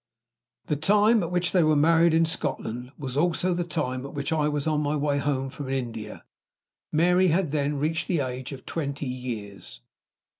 The time at which they were married in Scotland was also the time at which I was on my way home from India. Mary had then reached the age of twenty years.